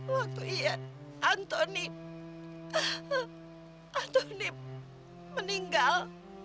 waktu iya antoni antoni meninggal